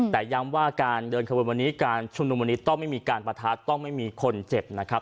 แต่ย้ำว่าการเดินขบวนวันนี้การชุมนุมวันนี้ต้องไม่มีการประทัดต้องไม่มีคนเจ็บนะครับ